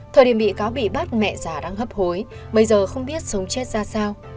thời điểm bị cáo bị bắt mẹ già đang hấp hối bây giờ không biết sống chết ra sao